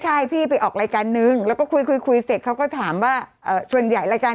ใช่พี่ไปออกรายการนึงแล้วก็คุยคุยเสร็จเขาก็ถามว่าส่วนใหญ่รายการ